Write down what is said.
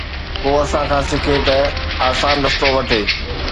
ڪو اسان کان سکي ته آسان رستو وٺي.